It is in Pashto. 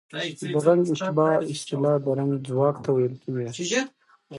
د رنګ اشباع اصطلاح د رنګ ځواک ته ویل کېږي.